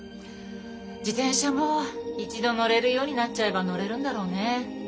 自転車も一度乗れるようになっちゃえば乗れるんだろうね。